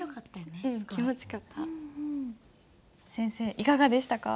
先生いかがでしたか？